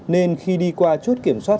nên khi đi qua chốt kiểm soát